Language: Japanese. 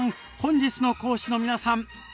本日の講師の皆さん。